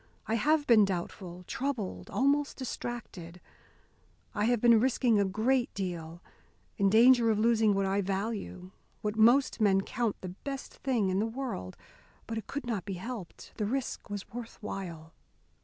I have been doubtful, troubled, almost distracted. I have been risking a great deal, in danger of losing what I value, what most men count the best thing in the world. But it could not be helped. The risk was worth while.